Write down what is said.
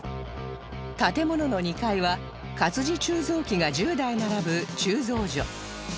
建物の２階は活字鋳造機が１０台並ぶ鋳造所